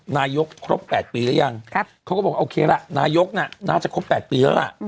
นายกครบ๘ปีหรือยังเขาก็บอกโอเคละนายกน่ะน่าจะครบ๘ปีแล้วล่ะ